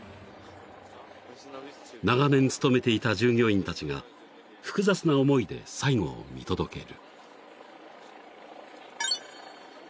［長年勤めていた従業員たちが複雑な思いで最後を見届ける］